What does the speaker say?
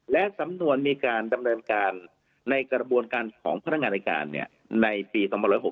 และสำนวนมีการดำเนินการในกระบวนการของพนักงานอายการในปี๒๖๖